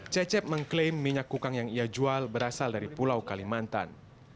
cecep mengklaim minyak kukang yang ia jual berasal dari pulau kalimantan